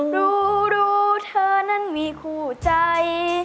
รู้เธอนั้นมีคู่ใจ